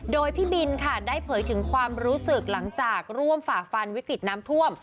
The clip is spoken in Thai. โดยพี่บินค่ะได้เผยถึงความรู้สึกหลังจากร่วมฝ่าฟันวิกฤตน้ำท่วม